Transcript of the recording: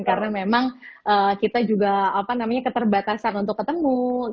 karena memang kita juga apa namanya keterbatasan untuk ketemu